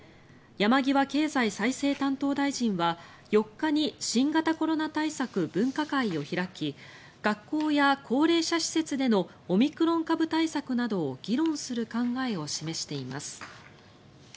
山際経済再生担当大臣は４日に新型コロナ対策分科会を開き学校や高齢者施設でのオミクロン株対策などを議論する考えを示しています。